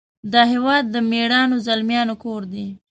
د هیواد د میړنو زلمیانو کور دی .